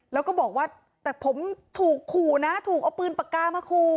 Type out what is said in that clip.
แล้วก็บอกว่าแต่ผมถูกขู่นะถูกเอาปืนปากกามาขู่